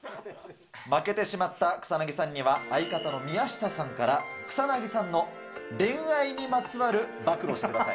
負けてしまった草薙さんには、相方の宮下さんから、草薙さんの恋愛にまつわる暴露してください。